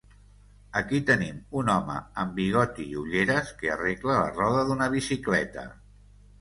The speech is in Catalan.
Aquí tenim un home amb bigoti i ulleres que arregla la roda d'una bicicleta.